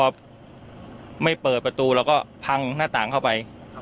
พอไม่เปิดประตูเราก็พังหน้าต่างเข้าไป